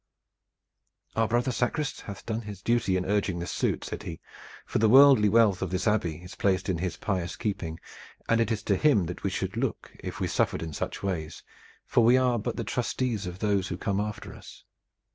"Our brother sacrist hath done his duty in urging this suit," said he, "for the worldly wealth of this Abbey is placed in his pious keeping, and it is to him that we should look if we suffered in such ways, for we are but the trustees of those who come after us.